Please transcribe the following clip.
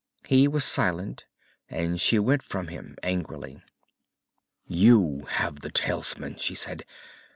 He was silent, and she went from him angrily. "You have the talisman," she said.